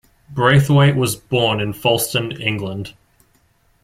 Braithwaite was born in Folston, England.